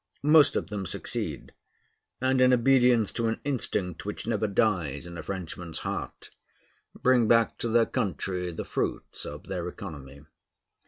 Most of them succeed; and in obedience to an instinct which never dies in a Frenchman's heart, bring back to their country the fruits of their economy.